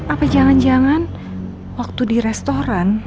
apa jangan jangan waktu di restoran